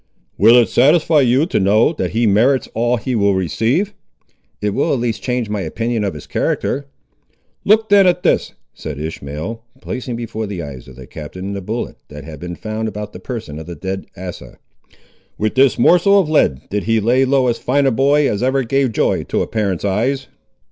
"Will it satisfy you to know, that he merits all he will receive?" "It will at least change my opinion of his character." "Look then at this," said Ishmael, placing before the eyes of the Captain the bullet that had been found about the person of the dead Asa; "with this morsel of lead did he lay low as fine a boy as ever gave joy to a parent's eyes!"